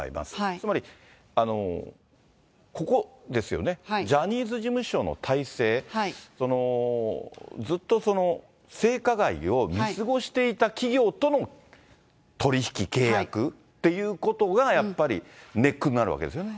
つまりここですよね、ジャニーズ事務所の体制、ずっと性加害を見過ごしていた企業との取り引き、契約っていうことが、やっぱり、ネックになるわけですよね。